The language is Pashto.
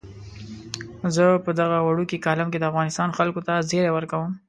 زه په دغه وړوکي کالم کې د افغانستان خلکو ته زیری ورکوم.